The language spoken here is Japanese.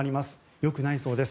良くないそうです。